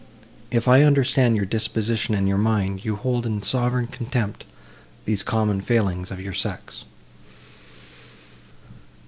If I understand your disposition and your mind, you hold in sovereign contempt these common failings of your sex."